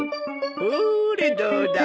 ほれどうだ？